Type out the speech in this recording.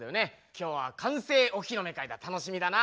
今日は完成お披露目会だ楽しみだな。